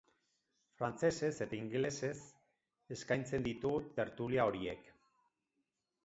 Frantsesez eta ingelesez eskaintzen ditu tertulia horiek.